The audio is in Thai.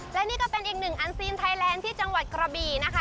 และนี่ก็เป็นอีกหนึ่งอันซีนไทยแลนด์ที่จังหวัดกระบี่นะคะ